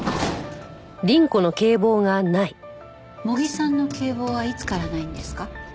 茂木さんの警棒はいつからないんですか？